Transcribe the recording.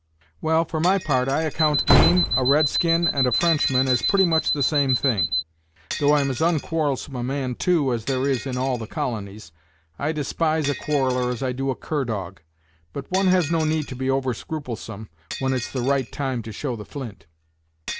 "Well, for my part I account game, a red skin, and a Frenchman as pretty much the same thing; though I'm as onquarrelsome a man, too, as there is in all the colonies. I despise a quarreller as I do a cur dog; but one has no need to be over scrupulsome when it's the right time to show the flint."